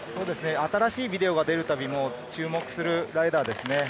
新しいビデオが出るたび、注目するライダーです。